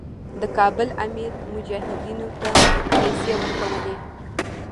د کابل امیر مجاهدینو ته پیسې ورکولې.